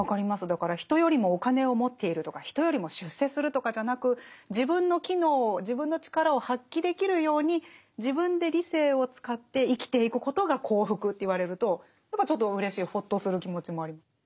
だから人よりもお金を持っているとか人よりも出世するとかじゃなく自分の機能自分の力を発揮できるように自分で理性を使って生きていくことが幸福と言われるとちょっとうれしいほっとする気持ちもあります。